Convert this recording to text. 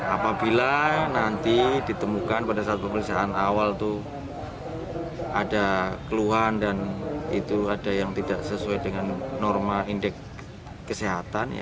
apabila nanti ditemukan pada saat pemeriksaan awal itu ada keluhan dan itu ada yang tidak sesuai dengan norma indeks kesehatan